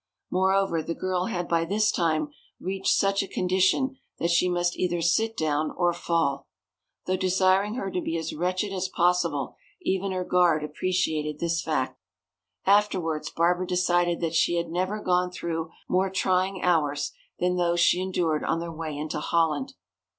Moreover, the girl had by this time reached such a condition that she must either sit down or fall. Though desiring her to be as wretched as possible, even her guard appreciated this fact. Afterwards Barbara decided that she had never gone through more trying hours than those she endured on their way into Holland.